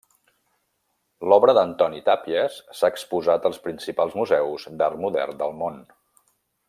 L'obra d'Antoni Tàpies s'ha exposat als principals museus d'art modern del món.